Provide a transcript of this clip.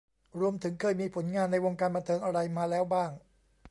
รวมถึงเคยมีผลงานในวงการบันเทิงอะไรมาแล้วบ้าง